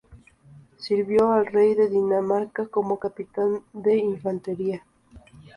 Sirvió al rey de Dinamarca como capitán de infantería.